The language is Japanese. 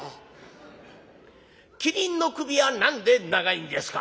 「キリンの首は何で長いんですか？」。